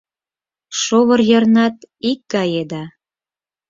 Шовыр йырнат икгае да.